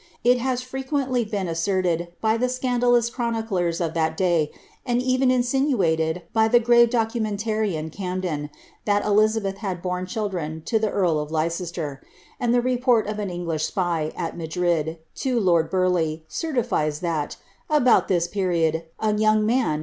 It has frequendy been asserted by the scandalous chroniclers of that day, and even insiou ated by the grave docunientarian Camden, that Elizabeth had borne chil dren to the earl of Leicester; and the report of an English spy. at Madrid, to lord Burleigh, certifies that, about this period, a young man.